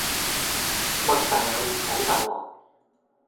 擘大眼講大話